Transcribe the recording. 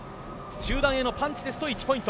中段へのパンチですと１ポイント。